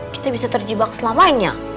kita bisa terjebak selamanya